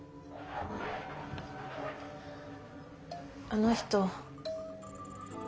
あの人